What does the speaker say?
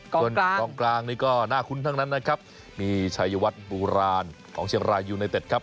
ส่วนของกลางนี่ก็น่าคุ้นทั้งนั้นนะครับมีชัยวัดโบราณของเชียงรายยูไนเต็ดครับ